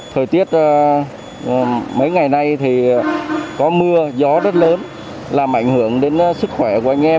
thời tiết mấy ngày nay thì có mưa gió rất lớn làm ảnh hưởng đến sức khỏe của anh em